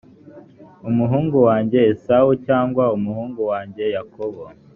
umuhungu wanjye esawu cyangwa umuhungu wanjye yakobo